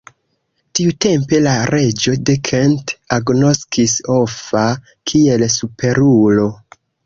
Tiutempe la reĝo de Kent agnoskis Offa kiel superulo.